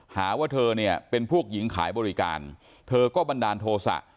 หาว่าเธอเนี่ยเป็นพวกหญิงขายบริการเธอก็บันดาลโทษะ